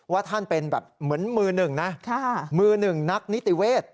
ว่าท่านเป็นแบบเหมือนมือหนึ่งนะมือหนึ่งนักนิติเวศ